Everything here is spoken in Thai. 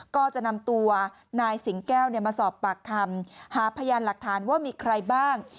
ก็จะนำตัวนายสิงแก้วมาสอบปากคำหาพยานหลักฐานว่ามีใครบ้าง